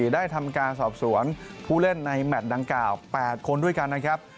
ได้ทำการสอบสวนผู้เล่นในแมทดังกล่าว๘คนด้วยกันนะครับ